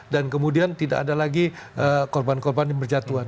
dan kemudian tidak ada lagi korban korban yang berjatuhan